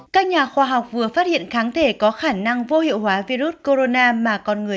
các nhà khoa học vừa phát hiện kháng thể có khả năng vô hiệu hóa virus corona mà con người